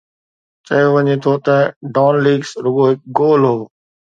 چيو وڃي ٿو ته ”ڊان ليڪس“ رڳو هڪ گول هو.